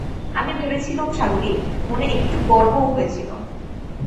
আমি ভেবেছিলুম সাগরী, মনে একটু গর্বও হয়েছিল।